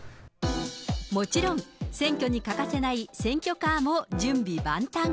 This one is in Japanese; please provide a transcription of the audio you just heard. もちろん、選挙に欠かせない選挙カーも準備万端。